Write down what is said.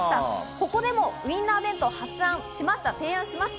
ここでもウインナー弁当を提案しました。